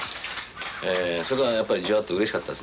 それはやっぱりじわっとうれしかったですね。